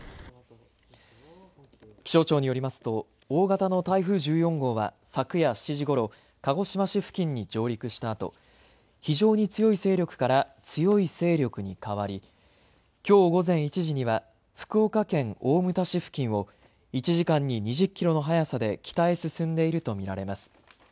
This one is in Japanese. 気象庁によりますと大型の台風１４号は昨夜７時ごろ鹿児島市付近に上陸したあと非常に強い勢力から強い勢力に変わり、きょう午前１時には福岡県大牟田市付近を１時間に２０キロの速さで北へ進んでいると見られます。